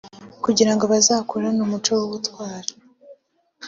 kugira ngo bazakurane umuco w’ubutwari